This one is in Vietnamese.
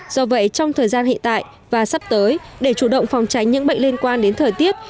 do vậy trong thời gian hiện tại và sắp tới để chủ động phòng tránh những bệnh liên quan đến thời tiết